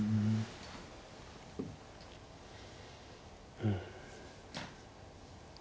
うん。